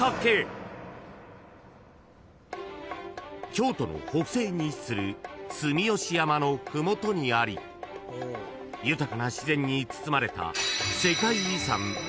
［京都の北西に位置する住吉山の麓にあり豊かな自然に包まれた］